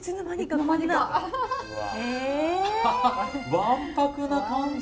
わんぱくな感じ。